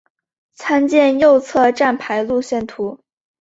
参见右侧站牌路线图。